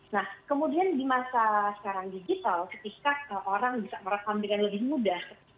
nah kemudian di masa sekarang digital ketika orang bisa merekam dengan lebih mudah